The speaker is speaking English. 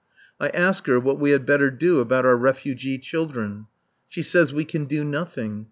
I ask her what we had better do about our refugee children. She says we can do nothing.